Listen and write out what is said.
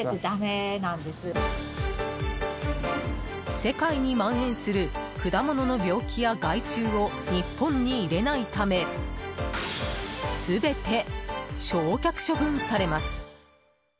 世界に蔓延する果物の病気や害虫を日本に入れないため全て焼却処分されます。